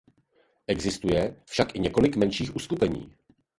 Existuje však i několik menších uskupení.